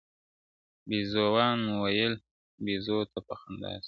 بيزو وان ويل بيزو ته په خندا سه؛